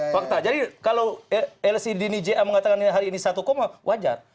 fakta jadi kalau lsi dini ja mengatakan hari ini satu koma wajar